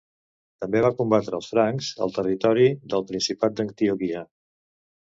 També va combatre als francs al territori del principat d'Antioquia.